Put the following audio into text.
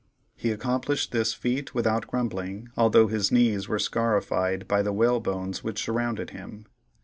He accomplished this feat without grumbling, although his knees were scarified by the whalebones which surrounded him.